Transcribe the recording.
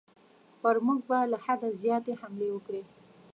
پر موږ به له حده زیاتې حملې وکړي.